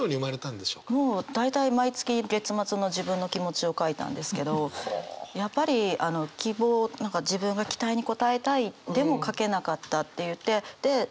もう大体毎月月末の自分の気持ちを書いたんですけどやっぱりあの希望何か自分が期待に応えたいでも書けなかったっていってで謝るのかもう少し頑張るのか。